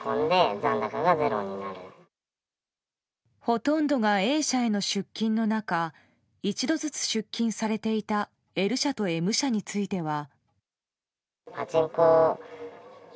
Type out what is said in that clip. ほとんどがＡ社への出金の中１度ずつ出金されていたＬ社とＭ社については。